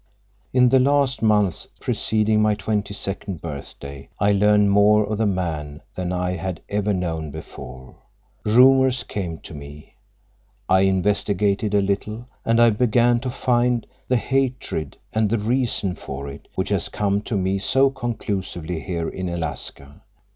"In the last months preceding my twenty second birthday I learned more of the man than I had ever known before; rumors came to me; I investigated a little, and I began to find the hatred, and the reason for it, which has come to me so conclusively here in Alaska.